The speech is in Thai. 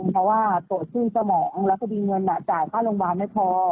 เพราะว่าโตร่ชื่นสมองแล้วคุณผู้ดีเงินจ่ายค่าลงบ้านไม่พอ